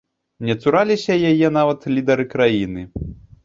Не цураліся яе нават лідары краіны.